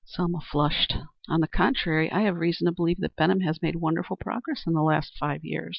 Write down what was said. Selma flushed. "On the contrary, I have reason to believe that Benham has made wonderful progress in the last five years.